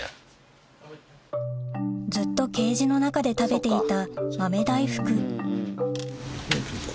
ずっとケージの中で食べていた豆大福